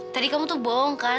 tadi kamu tuh bongkar